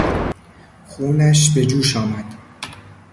خونش به جوش آمد.